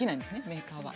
メーカーは。